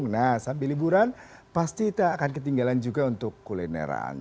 nah sambil liburan pasti tak akan ketinggalan juga untuk kulineran